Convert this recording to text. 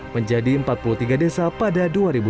menjadi empat puluh tiga desa pada dua ribu dua puluh